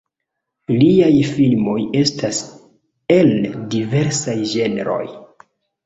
Liaj filmoj estas el diversaj ĝenroj.